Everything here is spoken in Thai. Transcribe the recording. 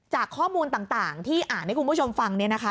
จากข้อมูลต่างที่อ่านให้คุณผู้ชมฟังเนี่ยนะคะ